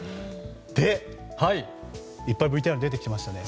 で、いっぱいＶＴＲに出てきてましたね。